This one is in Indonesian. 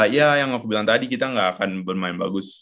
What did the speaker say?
ya yang aku bilang tadi kita nggak akan bermain bagus